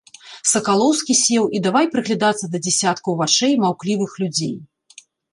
Сакалоўскі сеў і давай прыглядацца да дзесяткаў вачэй маўклівых людзей.